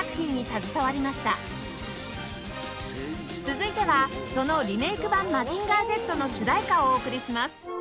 続いてはそのリメイク版『マジンガー Ｚ』の主題歌をお送りします